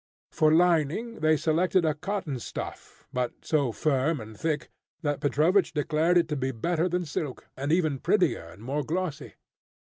For lining, they selected a cotton stuff, but so firm and thick, that Petrovich declared it to be better than silk, and even prettier and more glossy.